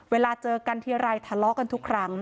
เวลาเจอกันทีไรทะเลาะกันทุกครั้ง